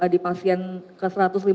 di pasien ke satu ratus lima puluh